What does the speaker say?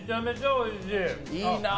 いいなぁ。